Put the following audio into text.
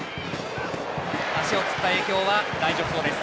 足をつった影響は大丈夫そうです。